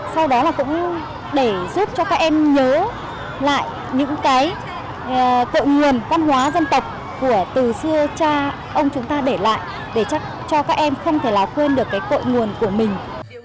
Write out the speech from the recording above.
sau đó là cũng để giúp cho các em nhớ lại những cái cội nguồn văn hóa dân tộc từ xưa cha ông chúng ta để lại để cho các em không thể nào quên được cái cội nguồn của mình